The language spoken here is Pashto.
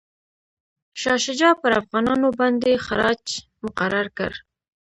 شاه شجاع پر افغانانو باندي خراج مقرر کړ.